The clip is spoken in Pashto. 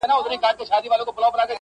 • په پردي څټ کي سل سوکه څه دي -